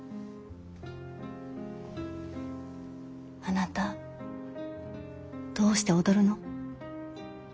あなたどうして踊るの？